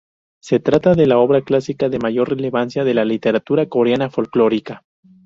Se trata de la obra clásica de mayor relevancia de la literatura coreana folclórica.